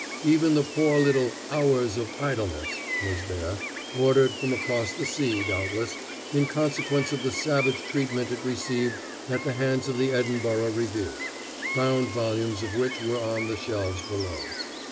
Even the poor little "Hours of Idleness" was there, ordered from across the sea, doubtless, in consequence of the savage treatment it received at the hands of the Edinburgh Review, bound volumes of which were on the shelves below.